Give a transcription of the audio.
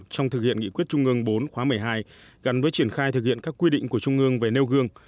trong thực hiện nghị quyết trung ương bốn khóa một mươi hai gắn với triển khai thực hiện các quy định của trung ương về nêu gương